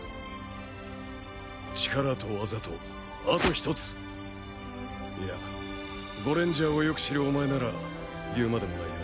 力と技とあと一ついやゴレンジャーをよく知るお前なら言うまでもないな。